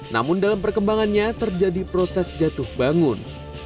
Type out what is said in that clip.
namun dalam perkembangannya terjadi proses jatuh bangun